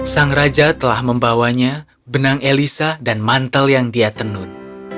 sang raja telah membawanya benang elisa dan mantel yang dia tenun